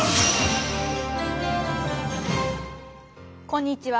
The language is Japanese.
こんにちは。